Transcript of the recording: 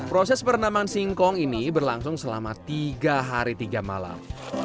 proses perendaman singkong ini berlangsung selama tiga hari tiga malam